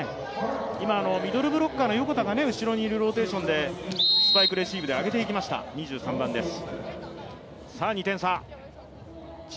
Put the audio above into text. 今、ミドルブロッカーの横田が後ろにいるローテーションでスパイクレシーブで上げていきました、２３番です。